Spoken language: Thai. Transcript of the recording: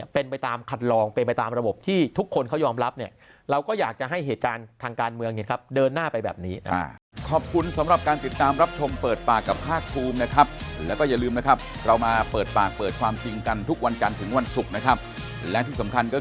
เป็นไปตามคัดลองเป็นไปตามระบบที่ทุกคนเขายอมรับเนี่ยเราก็อยากจะให้เหตุการณ์ทางการเมืองเดินหน้าไปแบบนี้